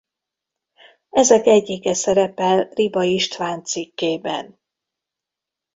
Ezek egyike szerepel Riba István cikkében.